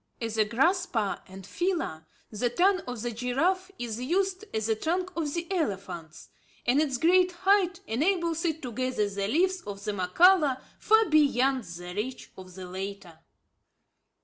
As a grasper and feeler, the tongue of the giraffe is used, as the trunk of the elephants; and its great height enables it to gather the leaves of the mokhala far beyond the reach of the latter.